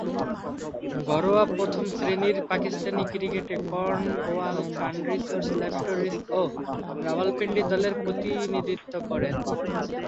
ঘরোয়া প্রথম-শ্রেণীর পাকিস্তানি ক্রিকেটে কর্নওয়াল, খান রিসার্চ ল্যাবরেটরিজ ও রাওয়ালপিন্ডি দলের প্রতিনিধিত্ব করেন।